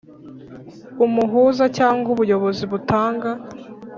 Umuhuza cyangwa ubuyobozi butanga